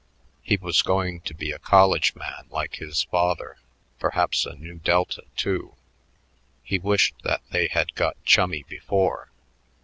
He was going to be a college man like his father perhaps a Nu Delta, too. He wished that they had got chummy before.